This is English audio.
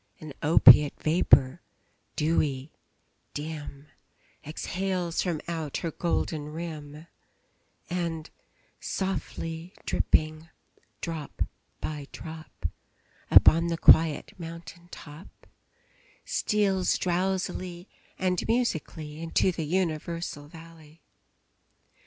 An opiate vapor, dewy, dim, Exhales from out her golden rim, And, softly dripping, drop by drop, Upon the quiet mountain top, Steals drowsily and musically Into the universal valley.